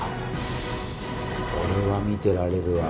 これは見てられるわ。